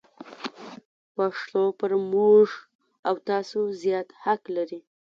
پښتو پر موږ او تاسو زیات حق لري.